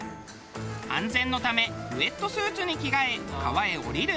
安全のためウエットスーツに着替え川へ下りる。